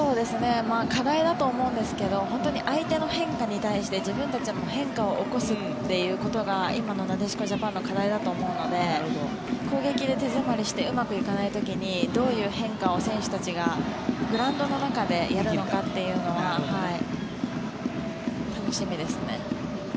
課題だと思うんですけど相手の変化に対して自分たちも変化を起こすということが今のなでしこジャパンの課題だと思うので攻撃で手詰まりしてうまくいかない時にどういう変化を選手たちがグラウンドの中でやるのかというのは楽しみですね。